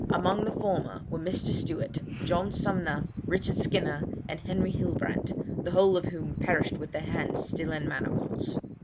Among the former were Mr. Stewart, John Sumner, Richard Skinner, and Henry Hillbrant, the whole of whom perished with their hands still in manacles.